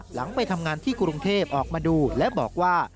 หลังไปทำงานที่กรุงเทพออกมาดูและบอกว่า